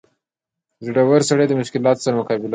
• زړور سړی د مشکلاتو سره مقابله کوي.